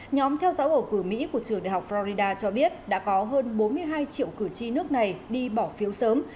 nhóm theo giáo bầu cử mỹ của trường đại học florida cho biết đã có hơn bốn mươi hai triệu cử tri nước này đi bỏ phiếu sớm